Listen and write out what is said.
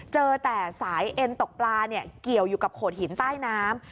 เจอแต่สายเอ็นตกปลาเกี่ยวอยู่กับโขดหินใต้น้ำ